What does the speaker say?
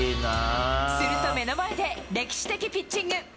すると目の前で、歴史的ピッチング。